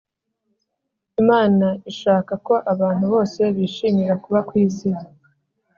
Imana ishaka ko abantu bose bishimira kuba ku isi